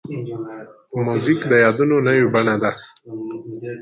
موزیک د یادونو نوې بڼه ده.